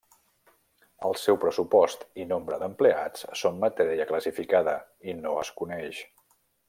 El seu pressupost i nombre d'empleats són matèria classificada i no es coneix.